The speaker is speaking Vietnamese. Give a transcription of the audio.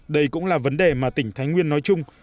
đây cũng là vấn đề mà tỉnh thái nguyên nói chung